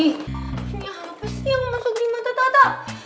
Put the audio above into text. ini hal apa sih yang masuk di mata tata